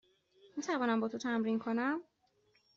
می توانم با تو تمرین کنم؟